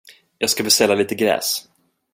Jag ska beställa lite gräs.